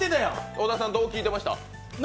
小田さんどう聞いてました？